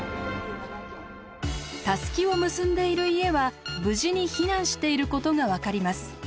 タスキを結んでいる家は無事に避難していることが分かります。